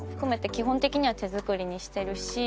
基本的には手作りにしてるし。